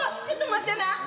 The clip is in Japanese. ちょっと待ってな。